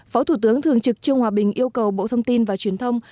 phó thủ tướng thường trực trương hòa bình yêu cầu bộ thông tin và truyền thông